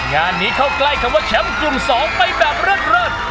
งานนี้เข้าใกล้คำว่าแชมป์กลุ่ม๒ไปแบบเลิศ